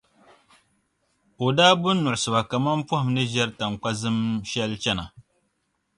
n daa bu n-nuɣisi ba kaman pɔhim ni ʒiɛri taŋkpa’ zim shɛli chana.